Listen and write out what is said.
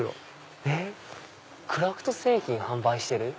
えっクラフト製品販売してる？